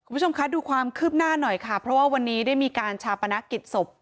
คุณผู้ชมคะดูความคืบหน้าหน่อยค่ะเพราะว่าวันนี้ได้มีการชาปนกิจศพ